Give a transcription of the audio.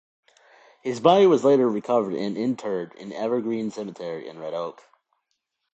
His body was later recovered and interred in Evergreen Cemetery in Red Oak.